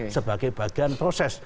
sebagai bagian proses